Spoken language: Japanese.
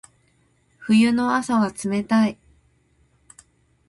冬の朝は冷たい。